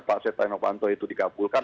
pak novanto itu dikabulkan